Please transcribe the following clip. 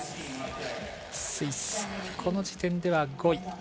スイス、この時点では５位。